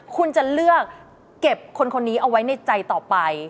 คุณจะเลือกเก็บคนคนนี้เอาไว้ในใจต่อไป